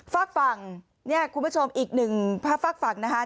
ฟักฝั่งคุณผู้ชมอีกหนึ่งฟักฝั่งนะฮะ